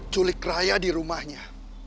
culik raya di rumahnya